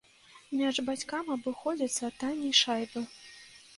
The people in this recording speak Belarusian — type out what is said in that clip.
Мяч бацькам абыходзіцца танней шайбы.